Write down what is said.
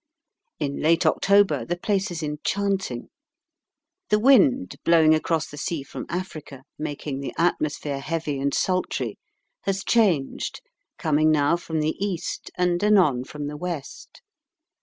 In late October the place is enchanting. The wind, blowing across the sea from Africa, making the atmosphere heavy and sultry, has changed, coming now from the east and anon from the west.